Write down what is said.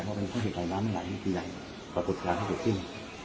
ถ้ามันเป็นต้นหลักไปน้ำไม่ไหลทีใดกับกุฏรความที่จะขึ้น